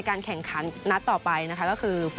ก็จะเมื่อวันนี้ตอนหลังจดเกม